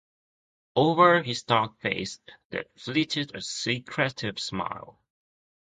Over his dark face there flitted a secretive smile.